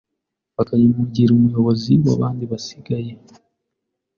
bakamugira umuyobozi w’abandi basigaye